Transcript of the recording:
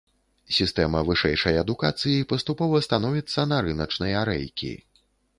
Сістэма вышэйшай адукацыі паступова становіцца на рыначныя рэйкі.